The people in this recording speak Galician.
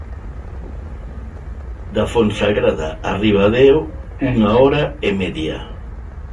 Da Fonsagrada a Ribadeo unha hora e media.